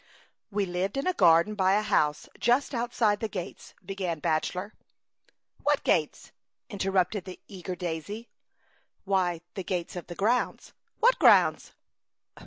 " We lived in a garden by a house just outside the gates,'' began Bach elor. " What gates ?" interrupted the eager daisies. "Why, the gates of the grounds.'' " What grounds